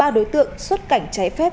ba đối tượng xuất cảnh trái phép